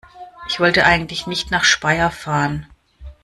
Ich wollte eigentlich nicht nach Speyer fahren